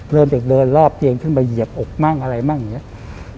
เริ่มจากเดินรอบเตียงขึ้นไปเหยียบอกมั่งอะไรมั่งอย่างนี้